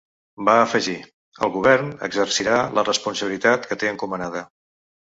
Va afegir: El govern exercirà la responsabilitat que té encomanada.